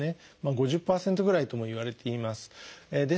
５０％ぐらいともいわれています。